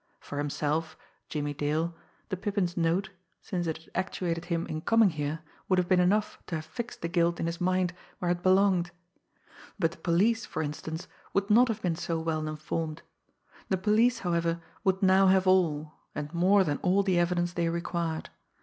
For himself, Jimmie Dale, the Pippin's note, since it had actuated him in coming here, would have been enough to have fixed the guilt in his mind where it belonged; but the police, for instance, would not have been so well informed! The police, however, would now have all, and more than all the evidence they required.